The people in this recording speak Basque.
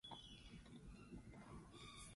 Bihar lanerat joateko ez dut enbeiarik.